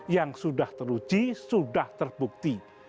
yang sudah teruji sudah terbukti